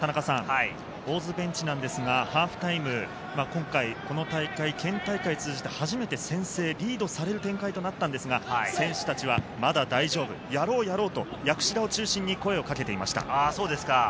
大津ベンチですが、ハーフタイム、今回、この大会は県大会を通じて初めて先制、リードされる展開となったんですが、選手たちはまだ大丈夫、やろうやろうと薬師田を中心に声をかけていました。